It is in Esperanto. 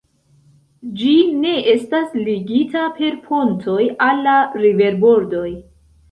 Ĝi ne estas ligita per pontoj al la riverbordoj.